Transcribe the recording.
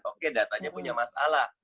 oke datanya punya masalah